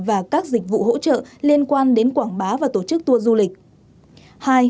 và các dịch vụ hỗ trợ liên quan đến quảng bá và tổ chức tour du lịch